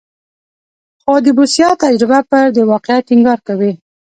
خو د بوسیا تجربه پر دې واقعیت ټینګار کوي.